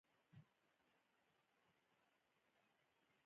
پۀ لستوڼي يې د تندي خوله وچه کړه